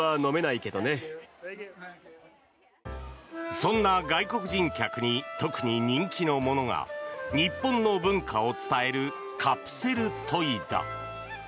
そんな外国人客に特に人気のものが日本の文化を伝えるカプセルトイだ。